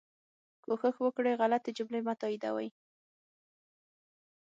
کوښښ وکړئ غلطي جملې مه تائیدوئ